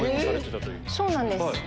そうなんです。